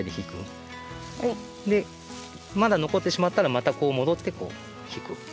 でまだのこってしまったらまたこうもどってひく。